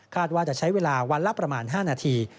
ว่าจะใช้เวลาวันละประมาณ๕นาที